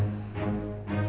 alia gak ada ajak rapat